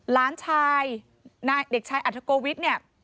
ล้านชายเด็กชายอัธโกวิทย์นี่